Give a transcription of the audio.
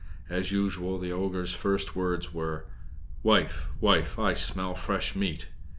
As usual, the ogre's first words were: "Wife, wife, I smell fresh meat!"